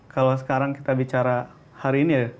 kalau sekarang kita bicara hari ini ya